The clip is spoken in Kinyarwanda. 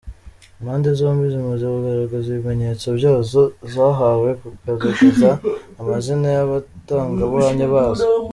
Impande zombi zimaze kugaragaza ibimenyetso byazo, zahawe kugaragaza amazina y’abatangabuhamya bazo.